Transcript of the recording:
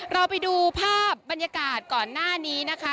เราไปดูภาพบรรยากาศก่อนหน้านี้นะคะ